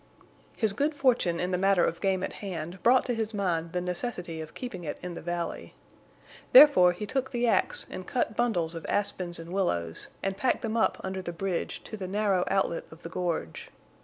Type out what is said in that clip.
His good fortune in the matter of game at hand brought to his mind the necessity of keeping it in the valley. Therefore he took the axe and cut bundles of aspens and willows, and packed them up under the bridge to the narrow outlet of the gorge.